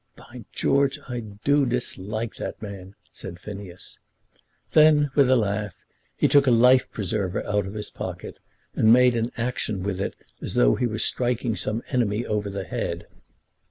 "By George, I do dislike that man," said Phineas. Then, with a laugh, he took a life preserver out of his pocket, and made an action with it as though he were striking some enemy over the head.